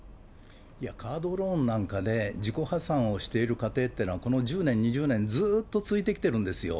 いや、カードローンなんかで、自己破産をしている家庭というのは、この１０年、２０年、ずっと続いてきてるんですよ。